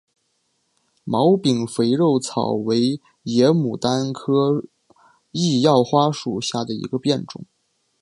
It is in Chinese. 毛柄肥肉草为野牡丹科异药花属下的一个变种。